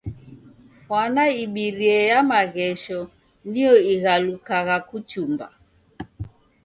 Fwana ibirie ya maghesho niyo ighalukagha kuchumba.